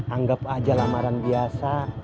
anggap aja lamaran biasa